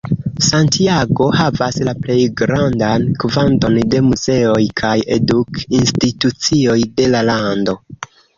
Santiago havas la plej grandan kvanton de muzeoj kaj eduk-institucioj de la lando.